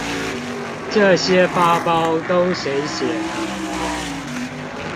這些發包都誰寫的